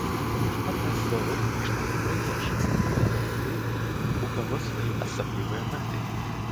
Шмат мясцовых, шмат і прыезджых і, вядома, тых, у каго свае асаблівыя мэты.